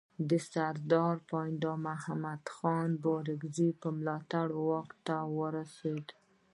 د سردار پاینده محمد خان بارکزي په ملاتړ واک ته ورسېد.